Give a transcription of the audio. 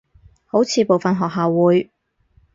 好似部份學校會